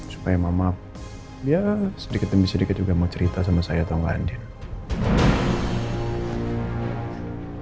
supaya mama dia sedikit demi sedikit juga mau cerita sama saya tahu gak andin